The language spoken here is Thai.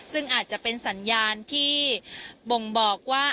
ซึ่งอาจจะเป็นสัญญาณที่บ่งบอกว่า